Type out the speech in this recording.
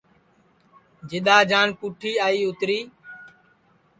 جِدؔا جان پُٹھی آئی اِتری